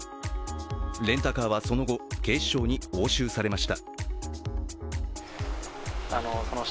レンタカーはその後、警視庁に押収されました。